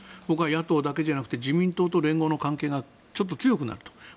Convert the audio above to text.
僕は野党だけじゃなくて自民党と連合の関係がちょっと強くなると。